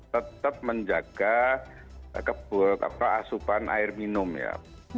tetap menjaga asupan air minum ya